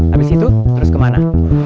abis itu terus kemana